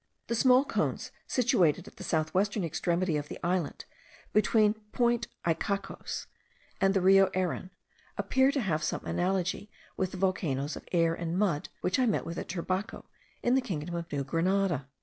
The small cones situated at the south western extremity of the island, between Point Icacos and the Rio Erin, appear to have some analogy with the volcanoes of air and mud which I met with at Turbaco in the kingdom of New Grenada.